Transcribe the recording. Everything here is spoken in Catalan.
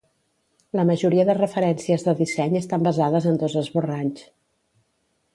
La majoria de referències de disseny estan basades en dos esborranys.